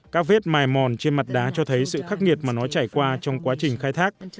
các vết mài mòn trên mặt đá cho thấy sự khắc nghiệt mà nó trải qua trong quá trình khai thác